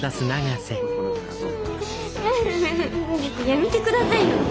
やめてくださいよ！